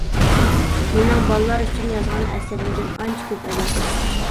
مېنىڭ بالىلار ئۈچۈن يازغان ئەسەرلىرىم ئانچە كۆپ ئەمەس.